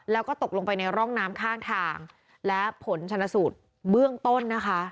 แล้วก็ตกลงไปในร่องน้ำข้างทางและผลชนสูตรเบื้องต้นนะคะ